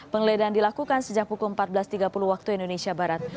penggeledahan dilakukan sejak pukul empat belas tiga puluh waktu indonesia barat